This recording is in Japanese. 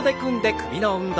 首の運動。